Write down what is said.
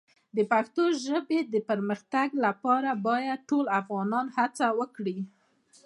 د پښتو ژبې د پرمختګ لپاره باید ټول افغانان هڅه وکړي.